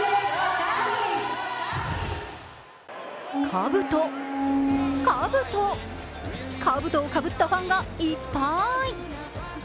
かぶと、かぶと、かぶとをかぶったファンがいっぱい！